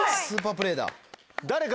スーパープレーだ。